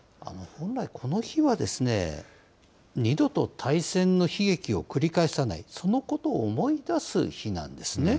本来この日は、二度と大戦の悲劇を繰り返さない、そのことを思い出す日なんですね。